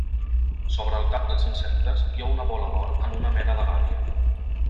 Sobre el cap dels insectes hi ha una bola d'or en una mena de gàbia.